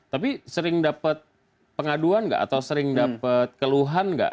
tapi sering dapat pengaduan nggak atau sering dapat keluhan nggak